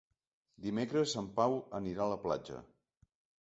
Dimecres en Pau anirà a la platja.